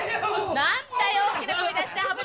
何だよ大きな声出して。